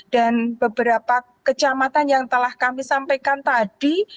dan beberapa kecamatan yang telah kami sampaikan tadi